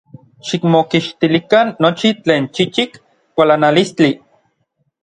Xikmokixtilikan nochi tlen chichik kualanalistli.